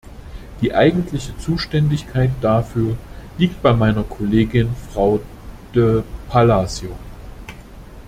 Die eigentliche Zuständigkeit dafür liegt bei meiner Kollegin Frau De Palacio.